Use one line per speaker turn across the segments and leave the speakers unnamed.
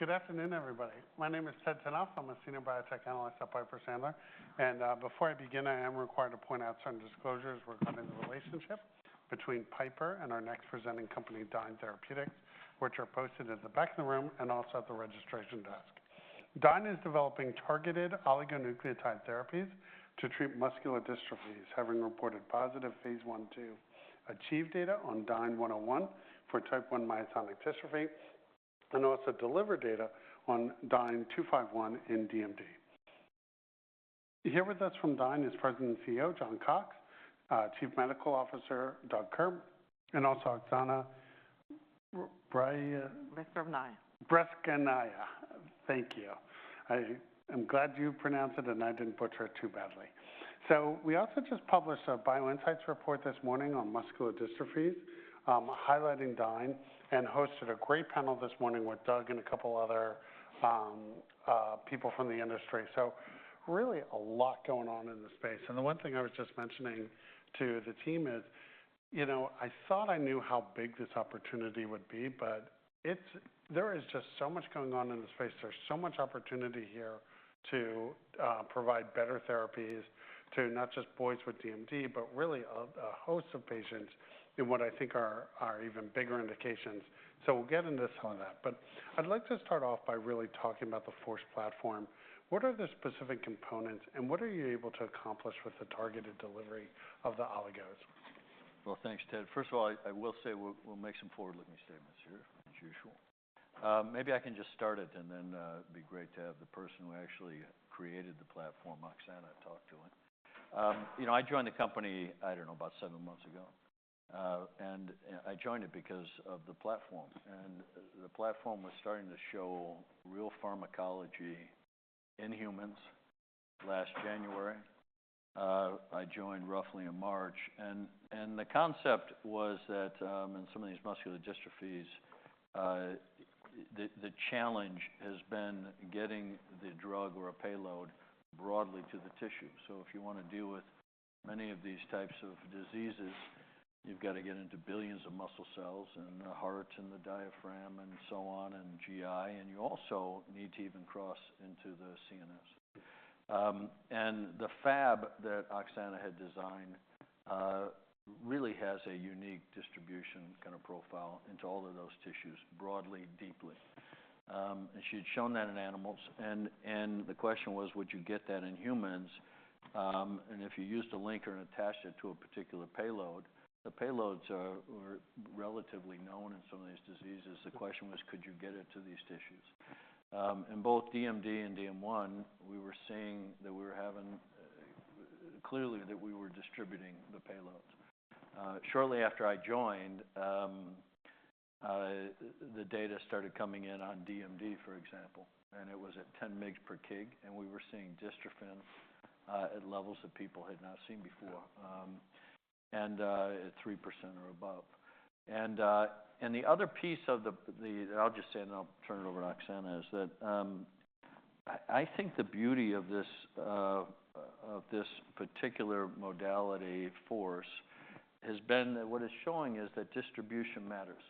Good afternoon, everybody. My name is Ted Tenthoff. I'm a Senior Biotech Analyst at Piper Sandler. And before I begin, I am required to point out certain disclosures regarding the relationship between Piper and our next presenting company, Dyne Therapeutics, which are posted at the back of the room and also at the registration desk. Dyne is developing targeted oligonucleotide therapies to treat muscular dystrophies, having reported positive phase I-II ACHIEVE data on DYNE-101 for type 1 myotonic dystrophy, and also DELIVER data on DYNE-251 in DMD. Here with us from Dyne is President and CEO John Cox, Chief Medical Officer Doug Kerr, and also Oxana
Beskrovnaya.
Beskrovnaya. Thank you. I am glad you pronounced it and I didn't butcher it too badly. So we also just published a BioInsights report this morning on muscular dystrophies, highlighting Dyne, and hosted a great panel this morning with Doug and a couple of other people from the industry. So really a lot going on in the space. And the one thing I was just mentioning to the team is, you know, I thought I knew how big this opportunity would be, but there is just so much going on in the space. There's so much opportunity here to provide better therapies to not just boys with DMD, but really a host of patients in what I think are even bigger indications. So we'll get into some of that. But I'd like to start off by really talking about the FORCE platform. What are the specific components, and what are you able to accomplish with the targeted delivery of the oligos?
Well, thanks, Ted. First of all, I will say we'll make some forward-looking statements here, as usual. Maybe I can just start it, and then it'd be great to have the person who actually created the platform, Oxana, talk to it. You know, I joined the company, I don't know, about seven months ago, and I joined it because of the platform, and the platform was starting to show real pharmacology in humans last January. I joined roughly in March, and the concept was that in some of these muscular dystrophies, the challenge has been getting the drug or a payload broadly to the tissue, so if you want to deal with many of these types of diseases, you've got to get into billions of muscle cells and the heart and the diaphragm and so on and GI, and you also need to even cross into the CNS. The Fab that Oxana had designed really has a unique distribution kind of profile into all of those tissues broadly, deeply. She had shown that in animals. The question was, would you get that in humans? If you used a linker and attached it to a particular payload, the payloads were relatively known in some of these diseases. The question was, could you get it to these tissues? In both DMD and DM1, we were seeing that we were having clearly that we were distributing the payloads. Shortly after I joined, the data started coming in on DMD, for example. It was at 10 mg/kg. We were seeing dystrophin at levels that people had not seen before and at 3% or above. And the other piece of the (I'll just say, and I'll turn it over to Oxana) is that I think the beauty of this particular modality, FORCE, has been that what it's showing is that distribution matters.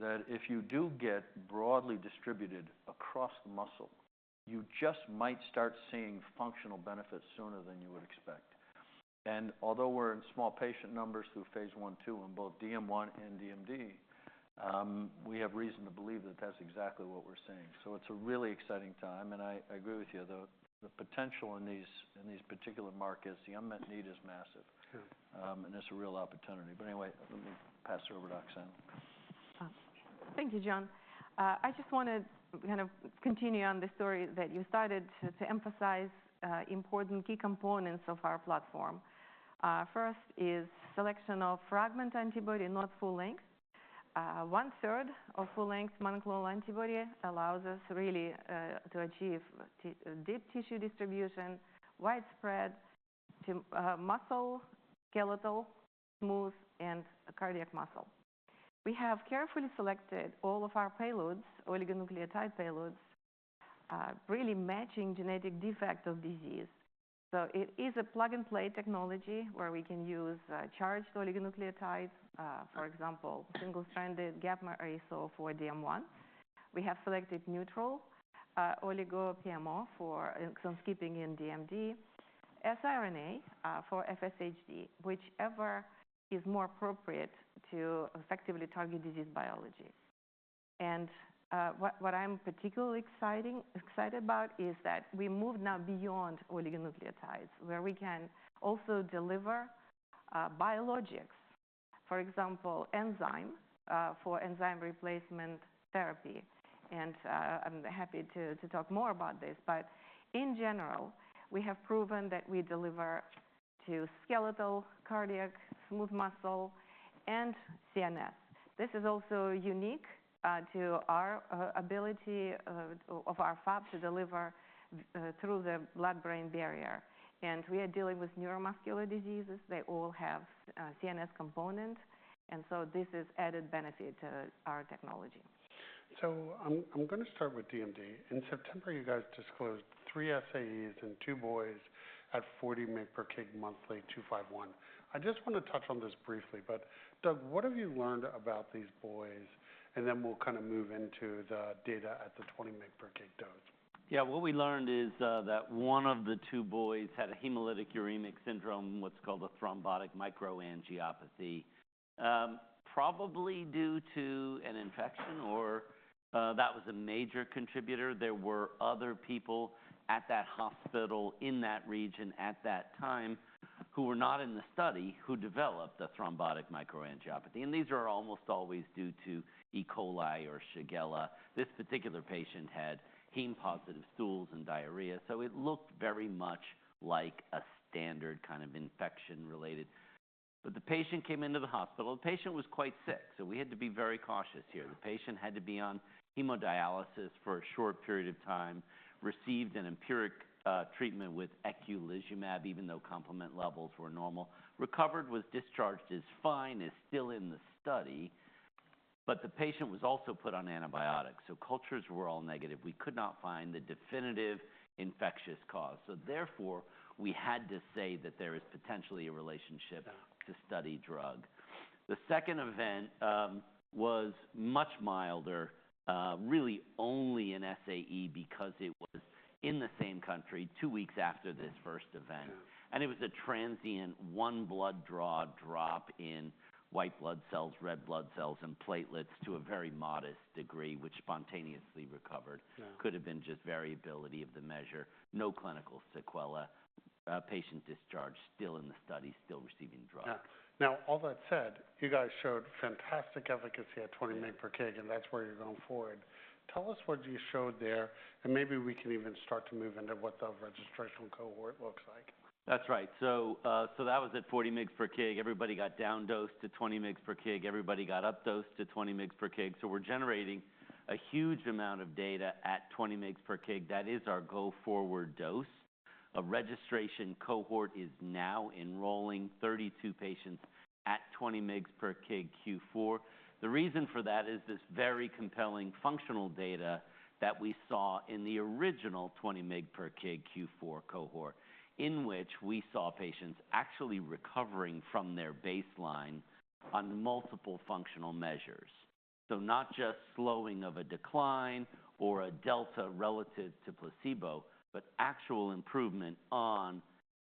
That if you do get broadly distributed across the muscle, you just might start seeing functional benefits sooner than you would expect. And although we're in small patient numbers through phase I-II in both DM1 and DMD, we have reason to believe that that's exactly what we're seeing. So it's a really exciting time. And I agree with you, the potential in these particular markets, the unmet need is massive. And it's a real opportunity. But anyway, let me pass it over to Oxana.
Thank you, John. I just want to kind of continue on the story that you started to emphasize important key components of our platform. First is selection of fragment antibody, not full length. One-third of full-length monoclonal antibody allows us really to achieve deep tissue distribution, widespread muscle, skeletal, smooth, and cardiac muscle. We have carefully selected all of our payloads, oligonucleotide payloads, really matching genetic defects of disease. So it is a plug-and-play technology where we can use charged oligonucleotides, for example, single-stranded gapmer ASO for DM1. We have selected neutral oligo PMO for—excuse me, skipping in DMD—siRNA for FSHD, whichever is more appropriate to effectively target disease biology. And what I'm particularly excited about is that we moved now beyond oligonucleotides, where we can also deliver biologics, for example, enzyme for enzyme replacement therapy. And I'm happy to talk more about this. But in general, we have proven that we deliver to skeletal, cardiac, smooth muscle, and CNS. This is also unique to our ability of our Fab to deliver through the blood-brain barrier. And we are dealing with neuromuscular diseases. They all have CNS components. And so this is an added benefit to our technology.
I'm going to start with DMD. In September, you guys disclosed three SAEs and two boys at 40 mg per kg monthly, DYNE-251. I just want to touch on this briefly. Doug, what have you learned about these boys? Then we'll kind of move into the data at the 20 mg per kg dose.
Yeah, what we learned is that one of the two boys had a hemolytic uremic syndrome, what's called a thrombotic microangiopathy, probably due to an infection, or that was a major contributor. There were other people at that hospital in that region at that time who were not in the study who developed the thrombotic microangiopathy, and these are almost always due to E. coli or Shigella. This particular patient had heme-positive stools and diarrhea, so it looked very much like a standard kind of infection-related, but the patient came into the hospital. The patient was quite sick, so we had to be very cautious here. The patient had to be on hemodialysis for a short period of time, received an empiric treatment with eculizumab, even though complement levels were normal, recovered, was discharged as fine, is still in the study, but the patient was also put on antibiotics. So cultures were all negative. We could not find the definitive infectious cause. So therefore, we had to say that there is potentially a relationship to study drug. The second event was much milder, really only an SAE because it was in the same country two weeks after this first event. And it was a transient one blood draw drop in white blood cells, red blood cells, and platelets to a very modest degree, which spontaneously recovered. Could have been just variability of the measure. No clinical sequelae. Patient discharged, still in the study, still receiving drugs.
Now, all that said, you guys showed fantastic efficacy at 20 mg per kg. And that's where you're going forward. Tell us what you showed there. And maybe we can even start to move into what the registration cohort looks like.
That's right. So that was at 40 mg/kg. Everybody got down-dosed to 20 mg/kg. Everybody got up-dosed to 20 mg/kg. So we're generating a huge amount of data at 20 mg/kg. That is our go-forward dose. A registration cohort is now enrolling 32 patients at 20 mg/kg Q4. The reason for that is this very compelling functional data that we saw in the original 20 mg/kg Q4 cohort, in which we saw patients actually recovering from their baseline on multiple functional measures. So not just slowing of a decline or a delta relative to placebo, but actual improvement on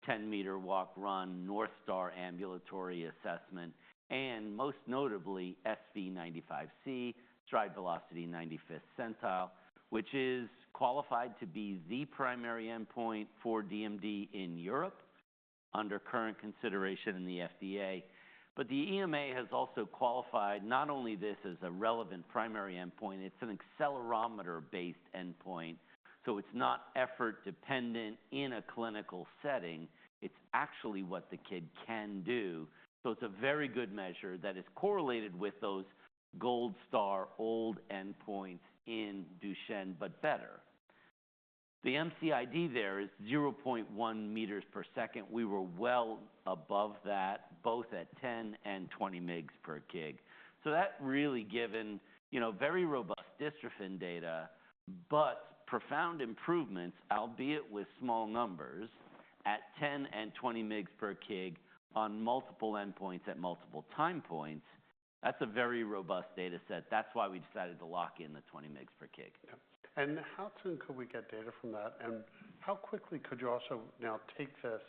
10-meter walk, run, North Star Ambulatory Assessment, and most notably SV95C, stride velocity 95th centile, which is qualified to be the primary endpoint for DMD in Europe under current consideration in the FDA. But the EMA has also qualified not only this as a relevant primary endpoint; it's an accelerometer-based endpoint. So it's not effort-dependent in a clinical setting. It's actually what the kid can do. So it's a very good measure that is correlated with those gold standard endpoints in Duchenne, but better. The MCID there is 0.1 m per second. We were well above that, both at 10 mg/kg and 20 mg/kg. So that really gives, you know, very robust dystrophin data, but profound improvements, albeit with small numbers at 10 mg/kg and 20 mg/kg on multiple endpoints at multiple time points. That's a very robust data set. That's why we decided to lock in the 20 mg/kg.
How soon could we get data from that? How quickly could you also now take this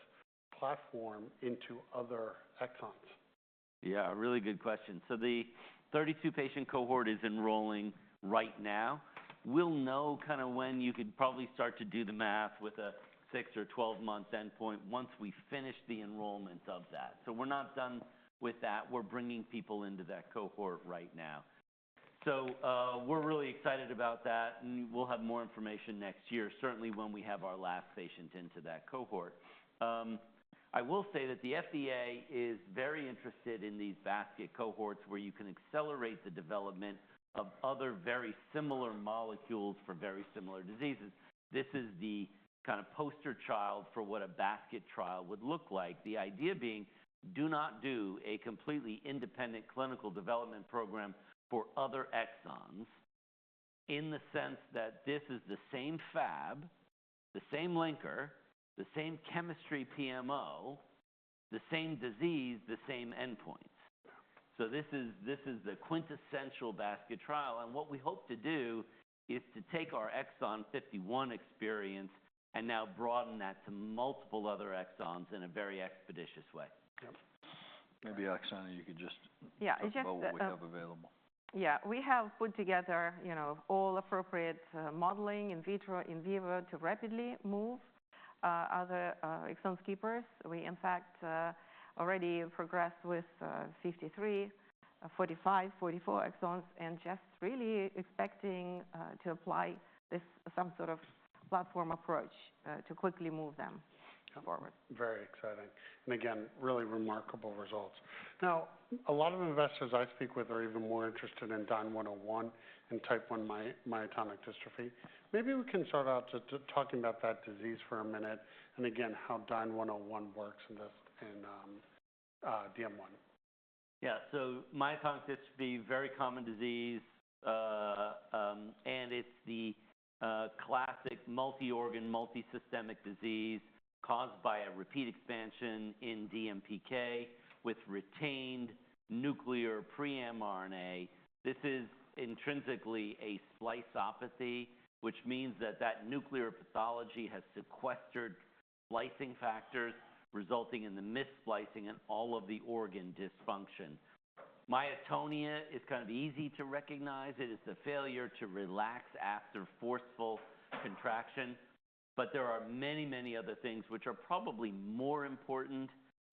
platform into other exons?
Yeah, really good question. So the 32-patient cohort is enrolling right now. We'll know kind of when you could probably start to do the math with a six or 12-month endpoint once we finish the enrollment of that. So we're not done with that. We're bringing people into that cohort right now. So we're really excited about that. And we'll have more information next year, certainly when we have our last patient into that cohort. I will say that the FDA is very interested in these basket cohorts where you can accelerate the development of other very similar molecules for very similar diseases. This is the kind of poster child for what a basket trial would look like. The idea being, do not do a completely independent clinical development program for other exons in the sense that this is the same Fab, the same linker, the same chemistry PMO, the same disease, the same endpoints. So this is the quintessential basket trial. And what we hope to do is to take our exon 51 experience and now broaden that to multiple other exons in a very expeditious way.
Maybe Oxana, you could just go with what we have available.
Yeah, we have put together, you know, all appropriate modeling in vitro in vivo to rapidly move other exon skippers. We, in fact, already progressed with 53, 45, 44 exons and just really expecting to apply this some sort of platform approach to quickly move them forward.
Very exciting. And again, really remarkable results. Now, a lot of investors I speak with are even more interested in DYNE-101 and myotonic dystrophy type 1. Maybe we can start out talking about that disease for a minute and again, how DYNE-101 works in DM1.
Yeah, so myotonic dystrophy, very common disease, and it's the classic multi-organ, multi-systemic disease caused by a repeat expansion in DMPK with retained nuclear pre-mRNA. This is intrinsically a splicopathy, which means that that nuclear pathology has sequestered splicing factors, resulting in the mis-splicing and all of the organ dysfunction. Myotonia is kind of easy to recognize. It is the failure to relax after forceful contraction. But there are many, many other things which are probably more important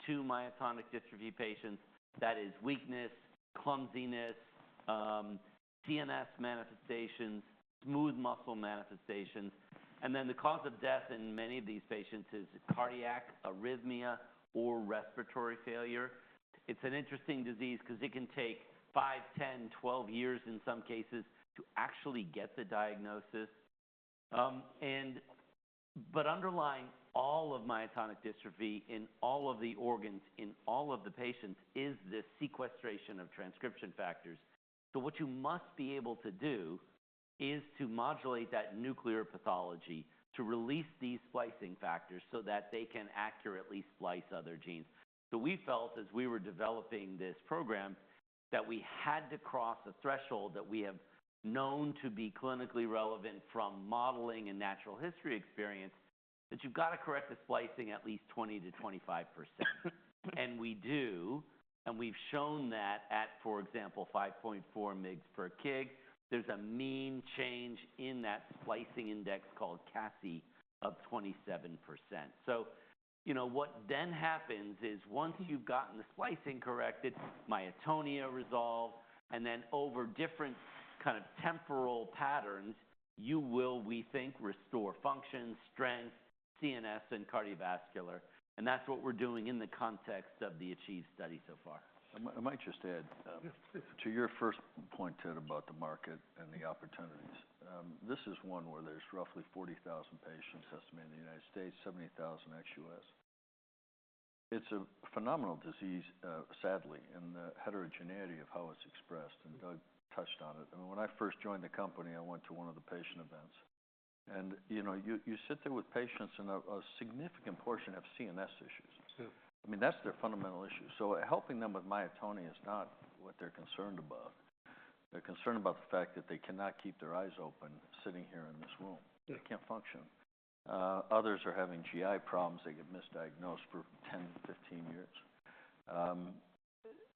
to myotonic dystrophy patients. That is weakness, clumsiness, CNS manifestations, smooth muscle manifestations, and then the cause of death in many of these patients is cardiac arrhythmia or respiratory failure. It's an interesting disease because it can take five, 10, 12 years in some cases to actually get the diagnosis, but underlying all of myotonic dystrophy in all of the organs in all of the patients is this sequestration of transcription factors. So what you must be able to do is to modulate that nuclear pathology to release these splicing factors so that they can accurately splice other genes. So we felt, as we were developing this program, that we had to cross a threshold that we have known to be clinically relevant from modeling and natural history experience, that you've got to correct the splicing at least 20%-25%. And we do. And we've shown that at, for example, 5.4 mg/kg, there's a mean change in that splicing index called CASI of 27%. So, you know, what then happens is once you've gotten the splicing corrected, myotonia resolves. And then over different kind of temporal patterns, you will, we think, restore function, strength, CNS, and cardiovascular. And that's what we're doing in the context of the ACHIEVE study so far.
I might just add to your first point about the market and the opportunities. This is one where there's roughly 40,000 patients estimated in the United States, 70,000 ex-U.S. It's a phenomenal disease, sadly, in the heterogeneity of how it's expressed, and Doug touched on it. I mean, when I first joined the company, I went to one of the patient events, and you know, you sit there with patients, and a significant portion have CNS issues. I mean, that's their fundamental issue. So helping them with myotonia is not what they're concerned about. They're concerned about the fact that they cannot keep their eyes open sitting here in this room. They can't function. Others are having GI problems. They get misdiagnosed for 10, 15 years.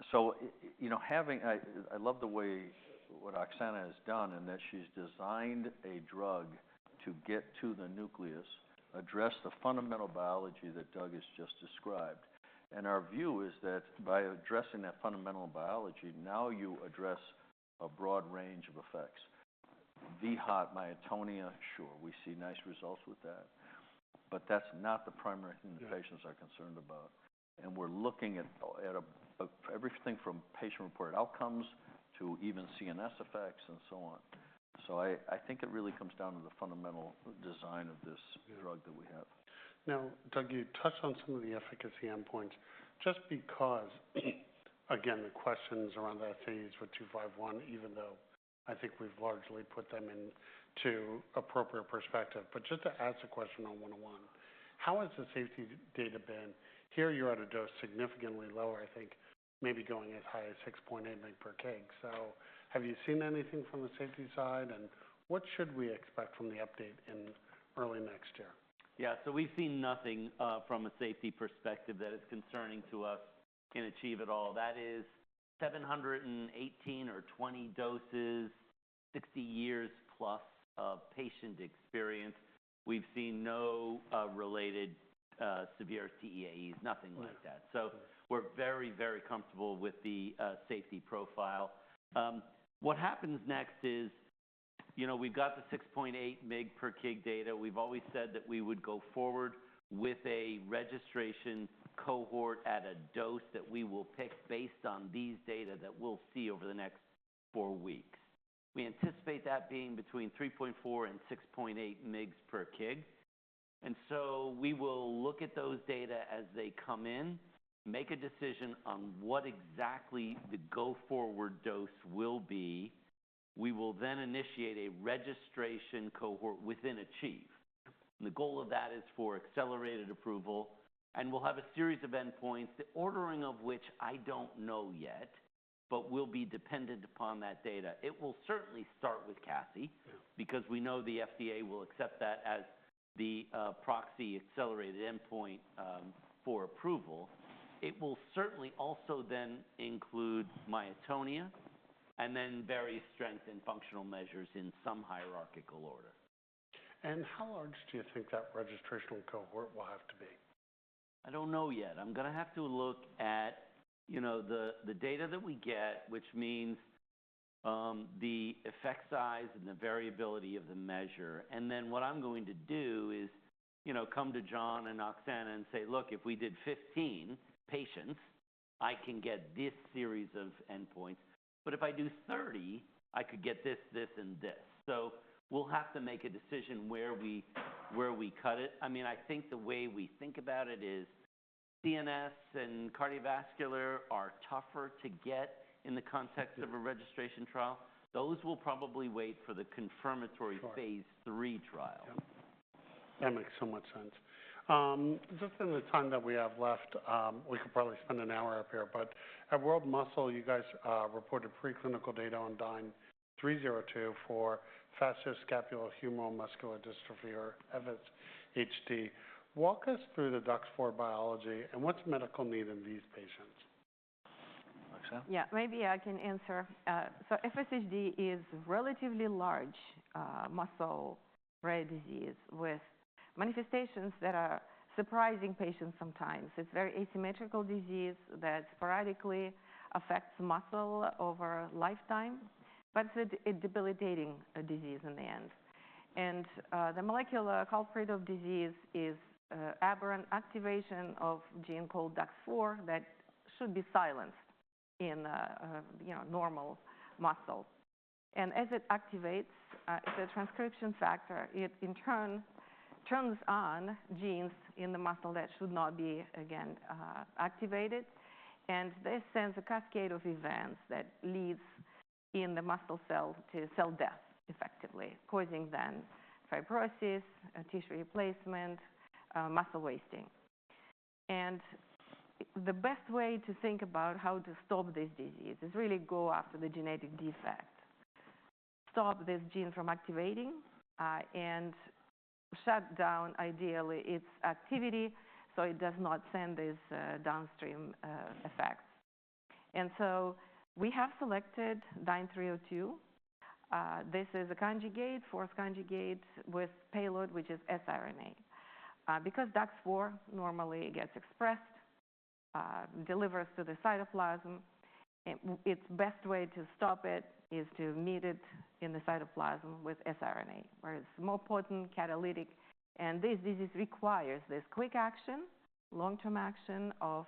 So, you know, I love the way that Oxana has done in that she's designed a drug to get to the nucleus, address the fundamental biology that Doug has just described. And our view is that by addressing that fundamental biology, now you address a broad range of effects. vHOT, myotonia, sure, we see nice results with that. But that's not the primary thing the patients are concerned about. And we're looking at everything from patient-reported outcomes to even CNS effects and so on. So I think it really comes down to the fundamental design of this drug that we have.
Now, Doug, you touched on some of the efficacy endpoints. Just because, again, the questions around the SAEs for 251, even though I think we've largely put them into appropriate perspective. But just to ask the question on 101, how has the safety data been? Here, you're at a dose significantly lower, I think, maybe going as high as 6.8 mg per kg. So have you seen anything from the safety side? And what should we expect from the update in early next year?
Yeah, so we've seen nothing from a safety perspective that is concerning to us in ACHIEVE at all. That is 7, 18 or 20 doses, 60 years plus of patient experience. We've seen no related severe TEAEs, nothing like that. So we're very, very comfortable with the safety profile. What happens next is, you know, we've got the 6.8 mg/kg data. We've always said that we would go forward with a registration cohort at a dose that we will pick based on these data that we'll see over the next four weeks. We anticipate that being between 3.4 and 6.8 mg/kg. And so we will look at those data as they come in, make a decision on what exactly the go-forward dose will be. We will then initiate a registration cohort within ACHIEVE. And the goal of that is for accelerated approval. We'll have a series of endpoints, the ordering of which I don't know yet, but we'll be dependent upon that data. It will certainly start with CASI because we know the FDA will accept that as the proxy accelerated endpoint for approval. It will certainly also then include myotonia and then various strength and functional measures in some hierarchical order.
How large do you think that registration cohort will have to be?
I don't know yet. I'm going to have to look at, you know, the data that we get, which means the effect size and the variability of the measure, and then what I'm going to do is, you know, come to John and Oxana and say, look, if we did 15 patients, I can get this series of endpoints, but if I do 30, I could get this, this, and this, so we'll have to make a decision where we cut it. I mean, I think the way we think about it is CNS and cardiovascular are tougher to get in the context of a registration trial. Those will probably wait for the confirmatory phase III trial.
That makes so much sense. Just in the time that we have left, we could probably spend an hour up here. But at World Muscle, you guys reported preclinical data on DYNE-302 for facioscapulohumeral muscular dystrophy or FSHD. Walk us through the DUX4 biology and what's the medical need in these patients.
Yeah, maybe I can answer, so FSHD is a relatively large muscle rare disease with manifestations that are surprising patients sometimes. It's a very asymmetrical disease that sporadically affects muscle over lifetime, but it's a debilitating disease in the end, and the molecular culprit of disease is aberrant activation of a gene called DUX4 that should be silenced in, you know, normal muscle. And as it activates, it's a transcription factor. It, in turn, turns on genes in the muscle that should not be, again, activated, and this sends a cascade of events that leads in the muscle cell to cell death effectively, causing then fibrosis, tissue replacement, muscle wasting, and the best way to think about how to stop this disease is really to go after the genetic defect, stop this gene from activating, and shut down, ideally, its activity so it does not send these downstream effects. And so we have selected DYNE-302. This is a conjugate, FORCE conjugate with payload, which is siRNA. Because DUX4 normally gets expressed, delivers to the cytoplasm, it's best way to stop it is to meet it in the cytoplasm with siRNA, where it's more potent, catalytic. And this disease requires this quick action, long-term action of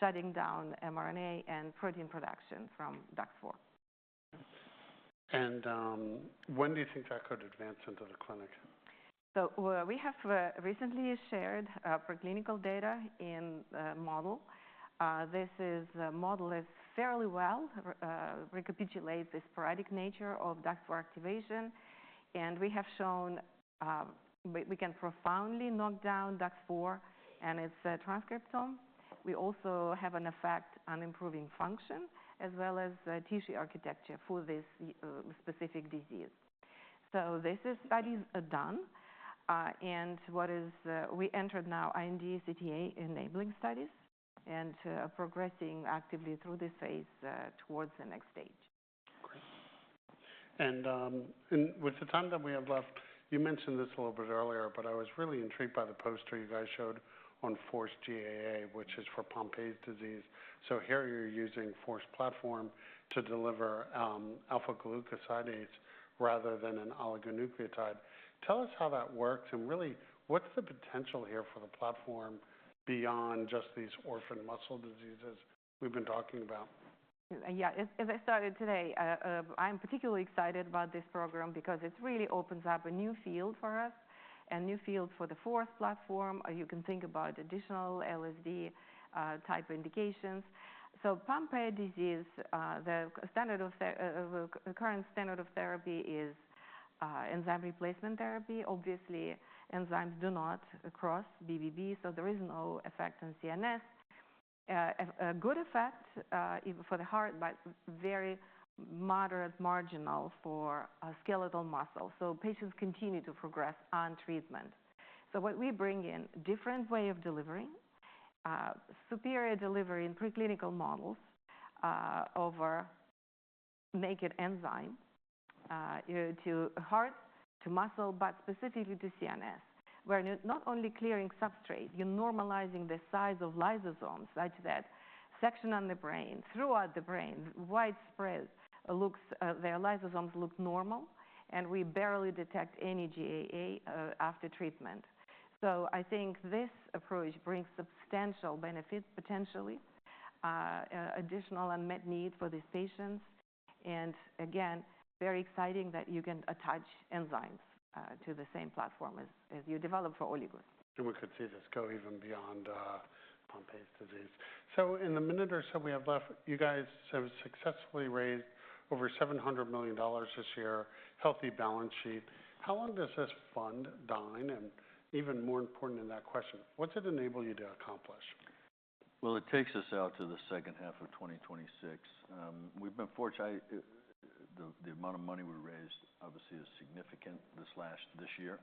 shutting down mRNA and protein production from DUX4.
When do you think that could advance into the clinic?
So we have recently shared preclinical data in the model. This model is fairly well recapitulates this sporadic nature of DUX4 activation. And we have shown we can profoundly knock down DUX4 and its transcriptome. We also have an effect on improving function as well as tissue architecture for this specific disease. So these studies are done. And now we have entered IND CTA enabling studies and progressing actively through this phase towards the next stage.
With the time that we have left, you mentioned this a little bit earlier, but I was really intrigued by the poster you guys showed on FORCE-GAA, which is for Pompe disease. So here you're using FORCE platform to deliver alpha-glucosidase rather than an oligonucleotide. Tell us how that works. Really, what's the potential here for the platform beyond just these orphan muscle diseases we've been talking about?
Yeah, as I started today, I'm particularly excited about this program because it really opens up a new field for us and new fields for the FORCE platform. You can think about additional LSD-type indications. So Pompe disease, the current standard of therapy is enzyme replacement therapy. Obviously, enzymes do not cross BBB, so there is no effect on CNS. A good effect for the heart, but very moderate marginal for skeletal muscle. So patients continue to progress on treatment. So what we bring in, different way of delivering, superior delivery in preclinical models over naked enzyme to heart, to muscle, but specifically to CNS, where not only clearing substrate, you're normalizing the size of lysosomes such that section on the brain, throughout the brain, widespread, their lysosomes look normal. And we barely detect any GAA after treatment. So I think this approach brings substantial benefit, potentially, additional unmet need for these patients. And again, very exciting that you can attach enzymes to the same platform as you develop for oligos.
And we could see this go even beyond Pompe disease. So in the minute or so we have left, you guys have successfully raised over $700 million this year, healthy balance sheet. How long does this fund Dyne? And even more important than that question, what's it enable you to accomplish?
It takes us out to the second half of 2026. We've been fortunate. The amount of money we raised, obviously, is significant this year.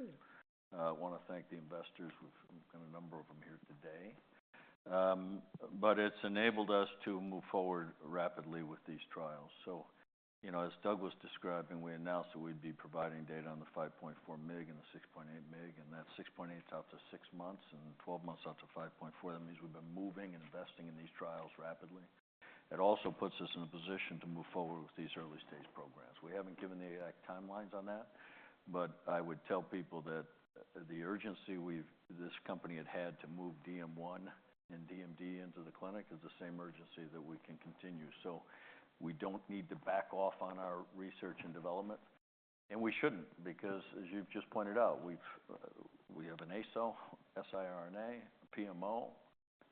I want to thank the investors. We've got a number of them here today. It's enabled us to move forward rapidly with these trials. You know, as Doug was describing, we announced that we'd be providing data on the 5.4 mg and the 6.8 mg. That 6.8 is out to six months and 12 months out to 5.4. That means we've been moving and investing in these trials rapidly. It also puts us in a position to move forward with these early stage programs. We haven't given the exact timelines on that. I would tell people that the urgency this company had had to move DM1 and DMD into the clinic is the same urgency that we can continue. So we don't need to back off on our research and development. And we shouldn't because, as you've just pointed out, we have an ASO, siRNA, PMO,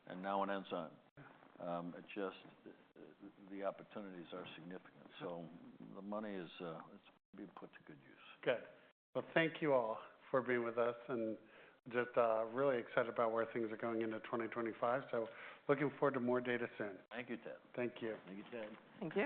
and now an enzyme. Just the opportunities are significant. So the money is being put to good use.
Good. Thank you all for being with us. Just really excited about where things are going into 2025. Looking forward to more data soon.
Thank you, Ted.
Thank you.
Thank you, Ted.
Thank you.